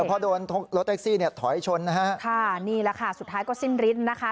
เพราะโดนรถแท็กซี่เนี่ยถอยชนนะฮะค่ะนี่แหละค่ะสุดท้ายก็สิ้นฤทธิ์นะคะ